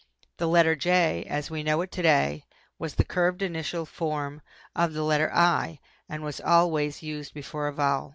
The letter J as we know it to day was the curved initial form of the letter I and was always used before a vowel.